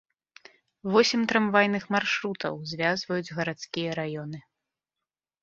Восем трамвайных маршрутаў звязваюць гарадскія раёны.